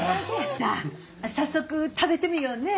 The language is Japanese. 早速食べてみようね。